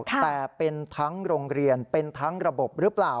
แต่เป็นทั้งโรงเรียนเป็นทั้งระบบหรือเปล่า